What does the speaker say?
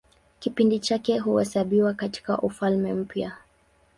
Kipindi chake huhesabiwa katIka Ufalme Mpya.